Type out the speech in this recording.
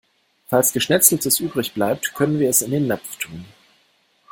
Falls Geschnetzeltes übrig bleibt, können wir es in den Napf tun.